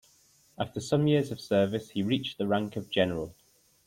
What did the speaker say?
After some years of service, he reached the rank of general.